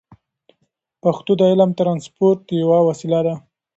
پښتو د علم د ترانسپورت یوه وسیله ده.